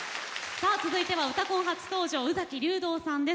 続いては「うたコン」初登場宇崎竜童さんです。